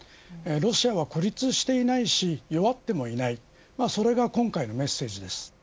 ロシアは孤立していないし弱ってもいないそれが今回のメッセージです。